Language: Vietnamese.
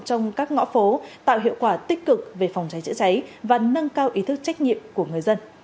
trong các ngõ phố tạo hiệu quả tích cực về phòng cháy chữa cháy và nâng cao ý thức trách nhiệm của người dân